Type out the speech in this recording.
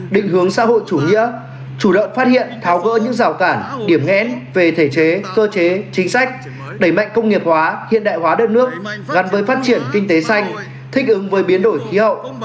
định hướng xã hội chủ nghĩa chủ động phát hiện tháo gỡ những rào cản điểm nghẽn về thể chế cơ chế chính sách đẩy mạnh công nghiệp hóa hiện đại hóa đất nước gắn với phát triển kinh tế xanh thích ứng với biến đổi khí hậu